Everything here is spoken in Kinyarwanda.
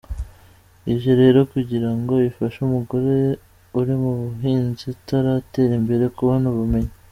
Ije rero kugira ngo ifashe umugore uri mu buhinzi utaratera imbere, kubona ubumenyi.